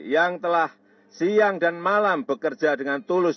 yang telah siang dan malam bekerja dengan tulus